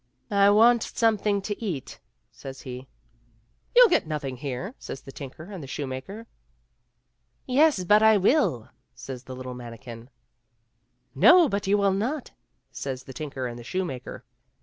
" I want something to eat," says he, " You'll get nothing here," says the tinker and the shoemaker. " Yes, but I will," says the little manikin. " No, but you will not," says the tinker and the shoemaker.